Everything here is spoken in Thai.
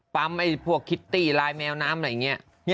ไอ้พวกคิตตี้ลายแมวน้ำอะไรอย่างนี้